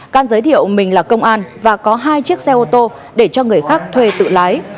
can giới thiệu mình là công an và có hai chiếc xe ô tô để cho người khác thuê tự lái